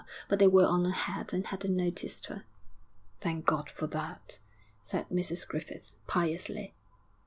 But they were on ahead and hadn't noticed her.' 'Thank God for that!' said Mrs Griffith, piously.